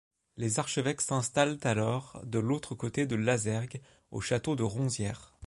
Les archevêques s'installent alors de l'autre côté de l'Azergues, au château de Ronzière.